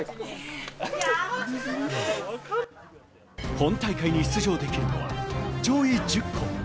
本大会に出場できるのは上位１０校。